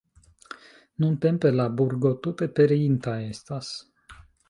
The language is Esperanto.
Nuntempe la burgo tute pereinta estas.